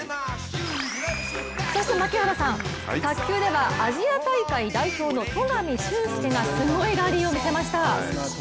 そして槙原さん、卓球ではアジア大会代表の戸上隼輔がすごいラリーをみせました。